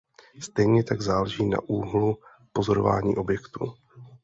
Stejně tak záleží na úhlu pozorování objektu.